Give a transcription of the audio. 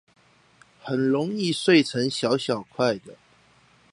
很容易碎成小小塊的